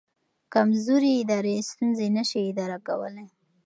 کمزوري ادارې ستونزې نه شي اداره کولی.